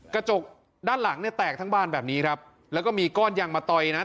กระจกด้านหลังเนี่ยแตกทั้งบานแบบนี้ครับแล้วก็มีก้อนยางมาต่อยนะ